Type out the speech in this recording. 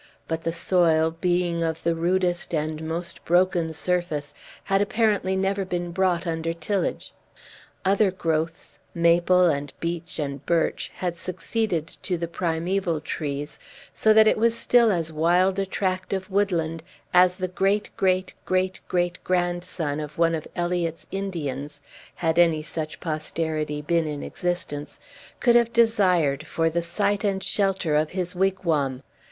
But the soil, being of the rudest and most broken surface, had apparently never been brought under tillage; other growths, maple and beech and birch, had succeeded to the primeval trees; so that it was still as wild a tract of woodland as the great great great great grandson of one of Eliot's Indians (had any such posterity been in existence) could have desired for the site and shelter of his wigwam.